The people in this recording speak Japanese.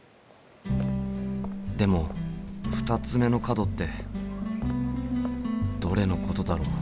でも２つ目の角ってどれのことだろう？